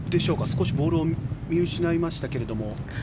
少しボールを見失いましたが。